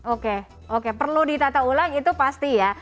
oke oke perlu ditata ulang itu pasti ya